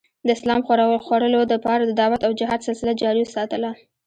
د اسلام خورلو دپاره د دعوت او جهاد سلسله جاري اوساتله